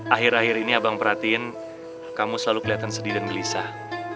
akhir akhir ini abang perhatiin kamu selalu kelihatan sedih dan gelisah